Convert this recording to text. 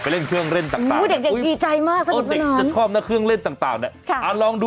อ่ะก็คงจะอ้อนแม่น่ะมาแม่อยากเล่น